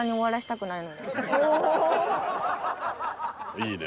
いいね。